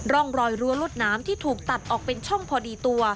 ร่องรอยรั้วรวดน้ำที่ถูกตัดออกเป็นช่องพอดีตัว